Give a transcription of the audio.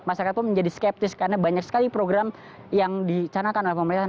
masyarakat pun menjadi skeptis karena banyak sekali program yang dicanakan oleh pemerintah